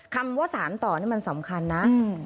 คำว่าสารต่อนี่มันสำคัญนะ